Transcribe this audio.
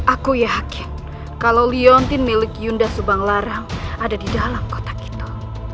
aku yakin kalau leontin milik yunda subanglarang ada di dalam kotak itu